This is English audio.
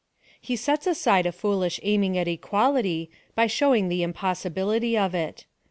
He sets aside a foolish aiming at equality, by showing the impossibility of it.